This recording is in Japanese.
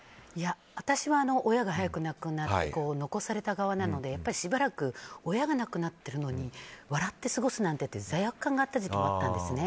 私は親が早く亡くなって残された側なのでしばらく親が亡くなってるのに笑って過ごすなんてという罪悪感もあったんです。